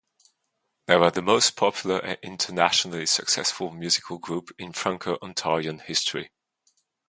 They were the most popular and internationally successful musical group in Franco-Ontarian history.